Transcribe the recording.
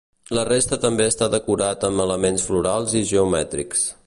La resta també està decorat amb elements florals i geomètrics.